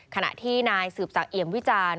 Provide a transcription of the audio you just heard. ขณะที่นายสืบสักเอี่ยมวิจารณ์